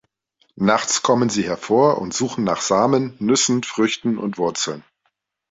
Nachts kommen sie hervor und suchen nach Samen, Nüssen, Früchten und Wurzeln.